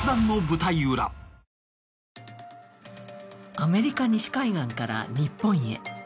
アメリカ西海岸から日本へ。